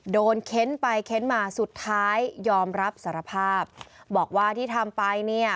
เค้นไปเค้นมาสุดท้ายยอมรับสารภาพบอกว่าที่ทำไปเนี่ย